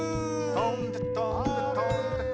とんでとんでとんで。